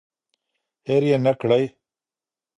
هیر یې نکړئ.